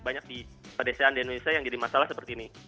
banyak di pedesaan di indonesia yang jadi masalah seperti ini